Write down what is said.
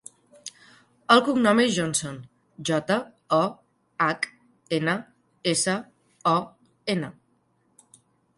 El cognom és Johnson: jota, o, hac, ena, essa, o, ena.